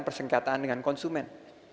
persengketaan dengan konsumen